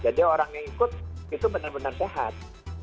jadi orang yang ikut itu benar benar sehat